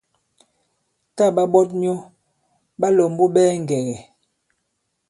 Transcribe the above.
Tǎ ɓa ɓɔt myɔ ɓa lɔ̀mbu ɓɛɛ ŋgɛ̀gɛ̀.